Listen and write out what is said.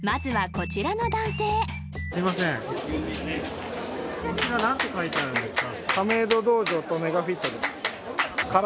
こちら何て書いてあるんですか？